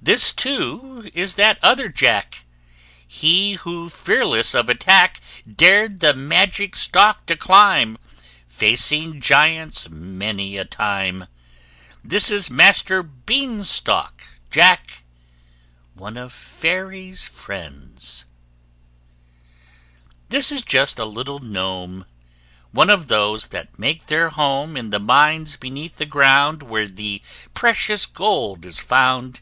This, too, is that other Jack He who, fearless of attack, Dared the magic stalk to climb, Facing giants many a time! This is Master Bean stalk Jack ONE OF FAIRY'S FRIENDS. This is just a little gnome, One of those that make their home In the mines beneath the ground Where the precious gold is found!